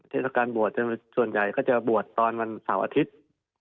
เทศกาลบวชส่วนใหญ่ก็จะบวชตอนวันเสาร์อาทิตย์